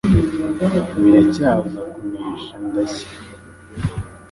Biracyaza kunesha ndashya